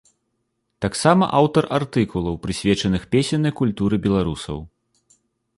Таксама аўтар артыкулаў, прысвечаных песеннай культуры беларусаў.